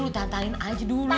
tantangin aja dulu